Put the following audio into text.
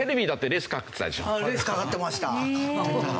レースかかってました。